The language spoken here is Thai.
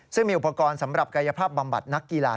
ซึ่งมีอุปกรณ์สำหรับกายภาพบำบัดนักกีฬา